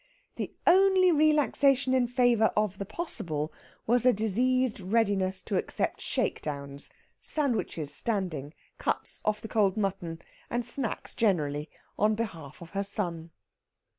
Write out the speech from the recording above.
The only relaxation in favour of the possible was a diseased readiness to accept shakedowns, sandwiches standing, cuts off the cold mutton, and snacks generally on behalf of her son.